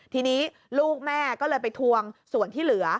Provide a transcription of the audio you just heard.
ทีนี้ลูกแม่ก็เลยไปทวงส่วนที่เหลือ